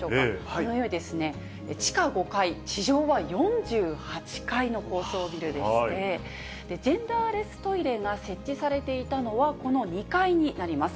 このように地下５階、地上は４８階の高層ビルでして、ジェンダーレストイレが設置されていたのはこの２階になります。